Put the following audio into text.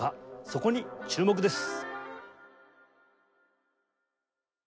そこに注目です。